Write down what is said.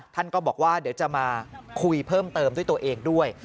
ท่านก็บอกว่าเดี๋ยวจะมาคุยเพิ่มเติมด้วยตัวเองด้วย